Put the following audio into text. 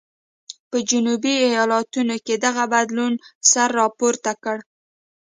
په جنوبي ایالتونو کې دغه بدلون سر راپورته کړ.